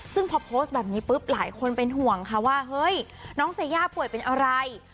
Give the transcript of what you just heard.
ซึ่งพอโพสต์แบบนี้ปุ๊บหลายคนเป็นห่วงค่ะว่าเฮ้ยน้องเซย่าป่วยเป็นอะไร